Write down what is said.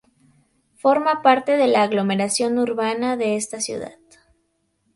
Forma parte de la aglomeración urbana de esta ciudad.